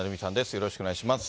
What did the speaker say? よろしくお願いします。